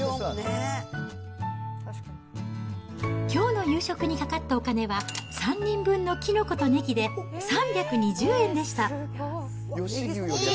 きょうの夕食にかかったお金は、３人分のきのことねぎで３２０円でした。